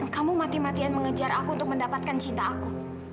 kamu mati matian mengejar aku untuk mendapatkan cinta aku